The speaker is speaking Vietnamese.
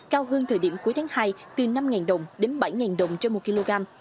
cao hơn thời điểm cuối tháng hai từ năm đồng đến bảy đồng trên một kg